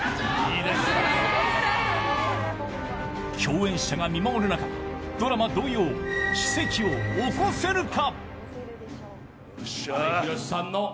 共演者が見守る中、ドラマ同様奇跡を起こせるか。